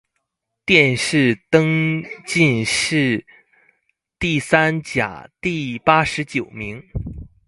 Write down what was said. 殿试登进士第三甲第八十七名。